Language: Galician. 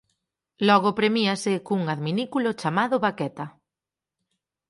Logo premíase cun adminículo chamado baqueta.